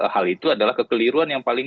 hal itu adalah kekeliruan yang paling